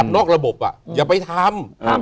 นอกระบบอย่าไปทำ